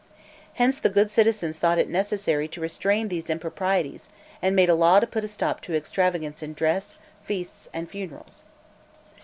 Hence the good citizens thought it necessary to restrain these improprieties, and made a law to put a stop to extravagance in dress, feasts, and funerals.